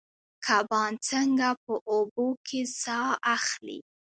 کبان څنګه په اوبو کې ساه اخلي؟